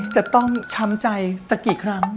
จะต้องช้ำใจสักกี่ครั้ง